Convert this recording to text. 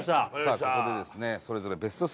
そこでですね